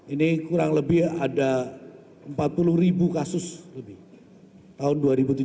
ini kurang lebih ada empat puluh ribu kasus lebih tahun dua ribu tujuh belas